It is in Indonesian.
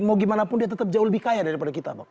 mau gimana pun dia tetap jauh lebih kaya daripada kita bang